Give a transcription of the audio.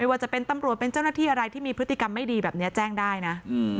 ว่าจะเป็นตำรวจเป็นเจ้าหน้าที่อะไรที่มีพฤติกรรมไม่ดีแบบนี้แจ้งได้นะ